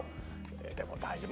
でも大丈夫。